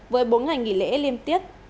với bốn ngày nghỉ lễ liêm tiết